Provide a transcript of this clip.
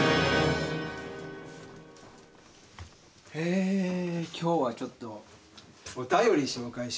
えー今日はちょっとお便り紹介します。